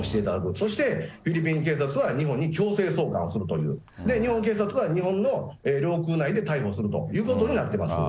そして、フィリピン警察は日本に強制送還をするという、日本警察は日本の領空内で逮捕するということになってます。